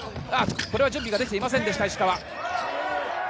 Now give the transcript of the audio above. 準備ができていませんでした、石川。